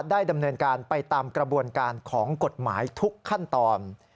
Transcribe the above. ดำเนินการไปตามกระบวนการของกฎหมายทุกขั้นตอน